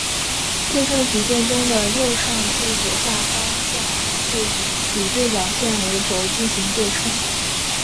对称矩阵中的右上至左下方向元素以主对角线为轴进行对称。